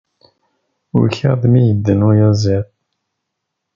Ukiɣ-d mi yedden uyaziḍ.